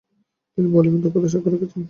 তিনি বোলিংয়ে দক্ষতার স্বাক্ষর রাখেন।